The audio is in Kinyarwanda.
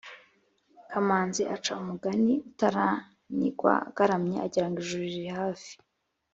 kamanzi aca umugani“utaranigwa agaramye agira ngo ijuru riri hafi.